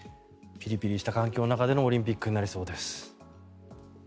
ピリピリした環境の中でのオリンピックになりそうです。